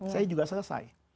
saya juga selesai